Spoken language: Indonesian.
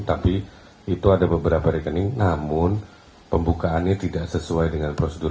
tapi itu ada beberapa rekening namun pembukaannya tidak sesuai dengan prosedur